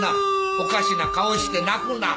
おかしな顔して泣くな。